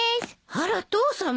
あら父さん